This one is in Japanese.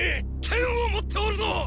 剣を持っておるぞっ！